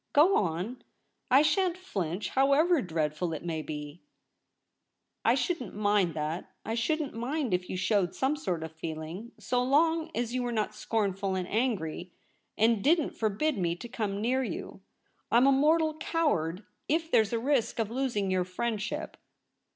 Go on. I shan't flinch, however dreadful it may be.' ' I shouldn't mind that. I shouldn't mind if you showed some sort of feeling, so long as you were not scornful and angry, and didn't forbid me to come near you. I'm a mortal coward if there's a risk of losing your friendship.'